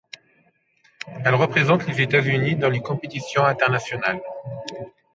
Elle représente les États-Unis dans les compétitions internationales.